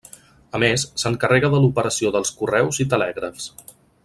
A més, s'encarrega de l'operació dels correus i telègrafs.